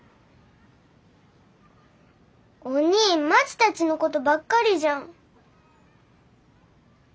おにぃまちたちのことばっかりじゃん。